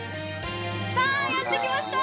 ◆さあやってきました。